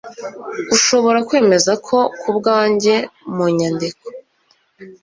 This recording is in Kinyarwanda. Ushobora kwemeza ko kubwanjye mu nyandiko